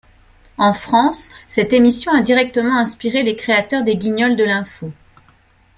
En France, cette émission a directement inspiré les créateurs des Guignols de l'Info.